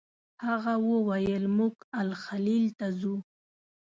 هغه وویل موږ الخلیل ته ځو.